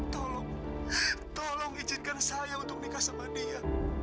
tolong tolong izinkan saya untuk nikah sama dia